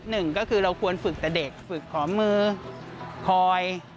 หนึ่งก็คือเราควรฝึกแต่เด็กฝึกขอมือคอย